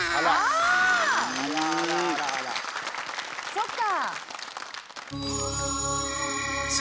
そっか。